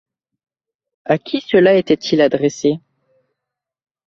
À qui cela était-il adressé?